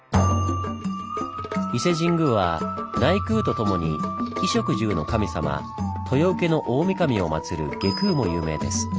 伊勢神宮は内宮とともに衣食住の神様豊受大神をまつる外宮も有名です。